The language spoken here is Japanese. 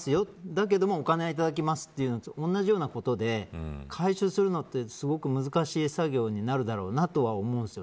だけど、お金はいただきますと同じようなことで回収するのってすごく難しい作業になるだろうなとは思うんです。